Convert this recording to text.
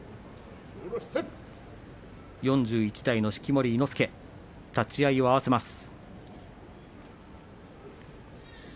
４１代式守伊之助立ち合いを合わせます。